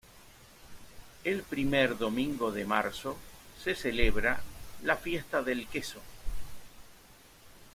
El primer domingo de marzo se celebra la 'Fiesta del Queso'.